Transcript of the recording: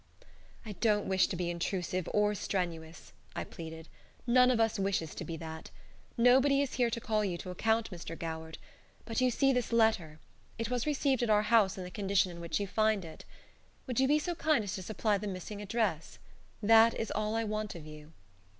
"I don't wish to be intrusive or strenuous," I pleaded, "none of us wishes to be that. Nobody is here to call you to account, Mr. Goward, but you see this letter. It was received at our house in the condition in which you find it. Would you be so kind as to supply the missing address? That is all I want of you."